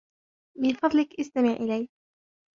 من فضلك, إستمع إلي!